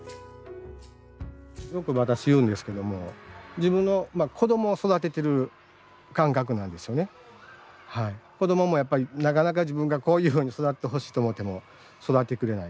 よく私言うんですけども子どももやっぱりなかなか自分がこういうふうに育ってほしいと思っても育ってくれない。